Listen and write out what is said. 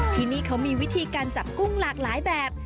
ที่นี่เขามีวิธีการจับกุ้งหลากหลายแบบ